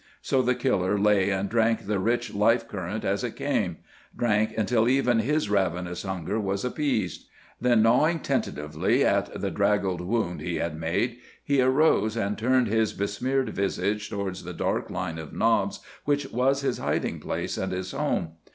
So the killer lay and drank the rich life current as it came; drank until even his ravenous hunger was appeased. Then gnawing tentatively at the draggled wound he had made, he arose and turned his besmeared visage towards the dark line of knobs which was his hiding place and his home.